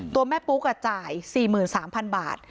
ตัวแม่ปุ๊กจ่าย๔๓๐๐๐บาท